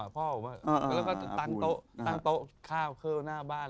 พ่อมาตั้งโต๊ะตั้งโต๊ะข้าวเคร่าหน้าบ้าน